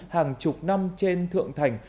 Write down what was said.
hàng chục năm trên thượng thành